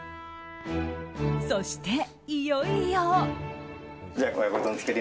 そして、いよいよ。